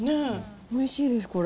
おいしいです、これ。